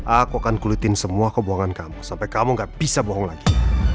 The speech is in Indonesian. aku akan kulitin semua kebuangan kamu sampai kamu gak bisa bohong lagi